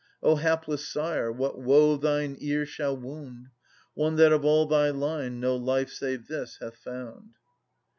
Oh, hapless sire, what woe thine ear shall wound! One that of all thy line no life save this hath found.